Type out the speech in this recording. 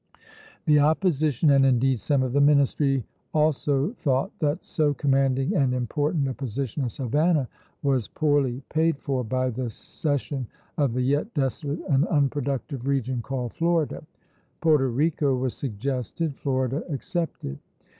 The opposition, and indeed some of the ministry, also thought that so commanding and important a position as Havana was poorly paid for by the cession of the yet desolate and unproductive region called Florida. Porto Rico was suggested, Florida accepted.